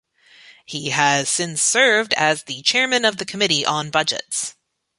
He has since served as the chairman of the Committee on Budgets.